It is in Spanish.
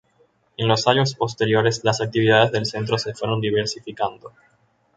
En los años posteriores, las actividades del "Centro" se fueron diversificando.